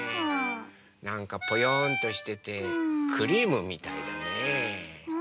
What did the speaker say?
なんかぽよんとしててクリームみたいだね。